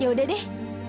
ya udah deh